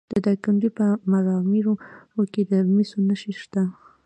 د دایکنډي په میرامور کې د مسو نښې شته.